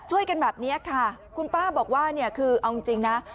ช่วยกันแบบนี้ค่ะคุณป้าบอกว่าคือเอาจริงนะ